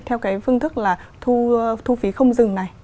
theo cái phương thức là thu phí không dừng này